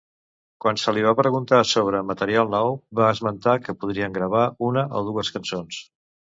Quan se li va preguntar sobre material nou, va esmentar que podrien gravar una o dues cançons.